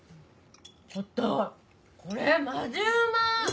ちょっとこれマジうま！